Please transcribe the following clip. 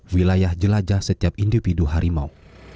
wilayah jelajah setiap individu harimau